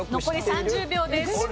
残り３０秒です。